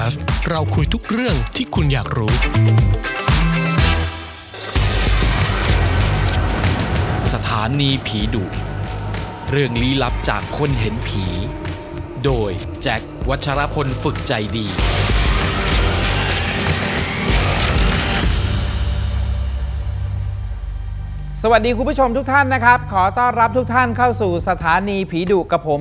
คุณผู้ชมทุกท่านนะครับขอต้อนรับทุกท่านเข้าสู่สถานีผีดุกับผม